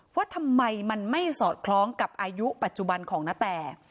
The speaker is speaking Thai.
ว่าทำไมมันไม่สอดคล้องกับอายุปัจจุบันของนาแต